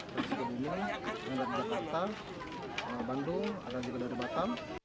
terus ke bumi ada di jakarta bandung ada juga dari batam